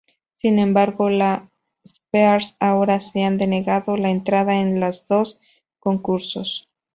Sin embargo, la Spears ahora se han denegado la entrada en los dos concursos.